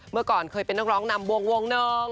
เมื่อก่อนเคยเป็นนักร้องนำวงวงหนึ่ง